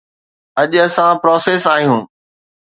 اڄ اسان پراسيس آهيون.